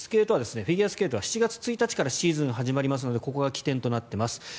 フィギュアスケートは７月１日からシーズンが始まりますのでここが起点となっています。